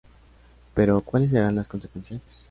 Pero ¿cuáles serán las consecuencias?